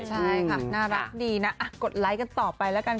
ใช่ค่ะน่ารักดีนะกดไลค์กันต่อไปแล้วกัน